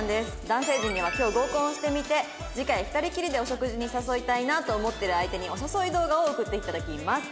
男性陣には今日合コンをしてみて次回２人きりでお食事に誘いたいなと思っている相手にお誘い動画を送って頂きます。